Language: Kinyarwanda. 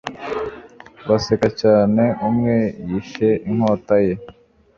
Baseka cyane umwe yishe inkota ye